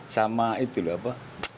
sama itu loh apa